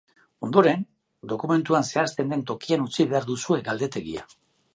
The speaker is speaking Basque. Ondoren, dokumentuan zehazten den tokian utzi behar duzue galdetegia.